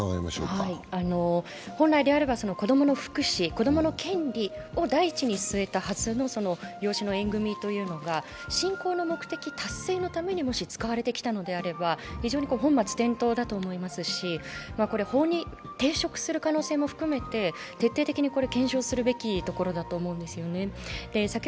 本来であれば、子供の福祉、子供の権利を第一に据えたはずの養子の縁組みというのが信仰の目的達成のためにもし使われてきたのだとすれば非常に本末転倒だと思いますし、法に抵触する可能性も含めて徹底的に検証すべきところだと思うんですよね。